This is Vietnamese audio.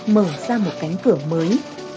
mở ra một cánh cửa mới